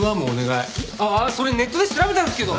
ああっそれネットで調べたんですけど！